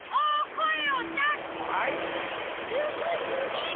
「す」ぐにげる！